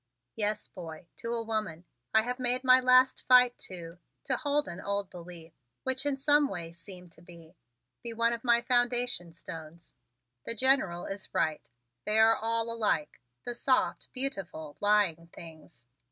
"Yes, boy, to a woman. I have made my last fight to to hold an old belief, which in some way seemed to be be one of my foundation stones. The General is right: they are all alike, the soft, beautiful, lying things.